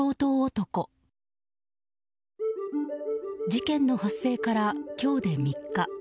事件の発生から今日で３日。